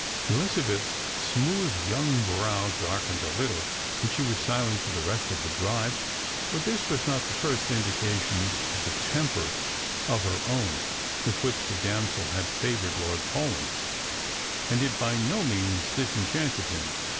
EHzabeth's smooth young brow darkened a little, and she was silent for the rest of the drive ; but this was not the first indica tion of a temper of her own with which the damsel had favoured Lord Paulyn, and it by no means disenchanted him.